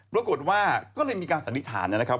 ปรากฏว่าก็เลยมีการสันนิษฐานนะครับ